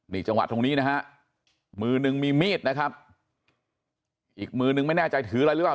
นี่จังหวะตรงนี้นะฮะมือนึงมีมีดนะครับอีกมือนึงไม่แน่ใจถืออะไรหรือเปล่า